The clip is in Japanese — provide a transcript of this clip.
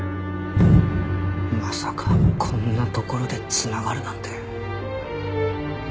まさかこんなところで繋がるなんて。